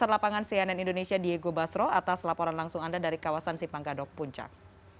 laporan langsung anda dari kawasan simanggadok puncak